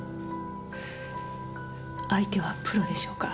相手はプロでしょうか？